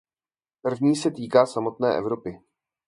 První se týká samotné Evropy.